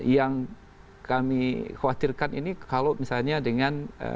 yang kami khawatirkan ini kalau misalnya dengan